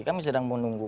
kami sedang menunggu